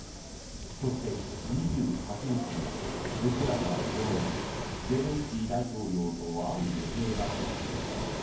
そして、２８日にはウクライナを訪問しゼレンスキー大統領と会う予定だという。